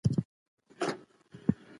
قالبي حکمونه د ټولنیز ژوند لپاره تاوان لري.